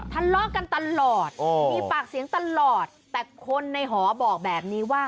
ทะเลาะกันตลอดมีปากเสียงตลอดแต่คนในหอบอกแบบนี้ว่า